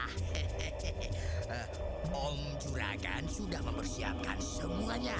hehehe om juragan sudah mempersiapkan semuanya